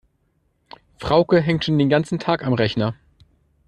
Frauke hängt schon den ganzen Tag am Rechner.